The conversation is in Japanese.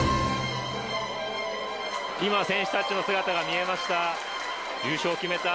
今、選手たちの姿が見えました。